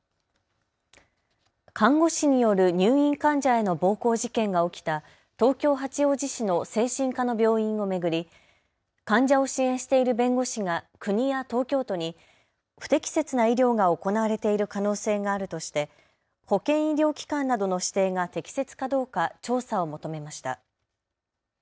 看護師による入院患者への暴行事件が起きた東京八王子市の精神科の病院を巡り患者を支援している弁護士が国や東京都に不適切な医療が行われている可能性があるとして保険医療機関などの指定が適切かどうか調査を求めました。